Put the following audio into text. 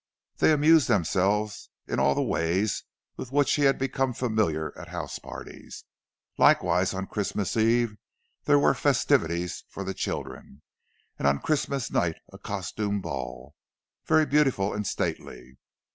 They amused themselves in all the ways with which he had become familiar at house parties; likewise on Christmas Eve there were festivities for the children, and on Christmas night a costume ball, very beautiful and stately.